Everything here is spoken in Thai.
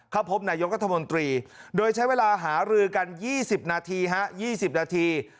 เข้าพบนายกรัฐมนตรีโดยใช้เวลาหารือกัน๒๐นาทีฮะ๒๐นาที